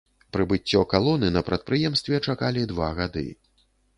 Прыбыццё калоны на прадпрыемстве чакалі два гады.